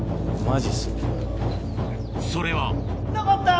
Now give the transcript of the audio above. それはのこった！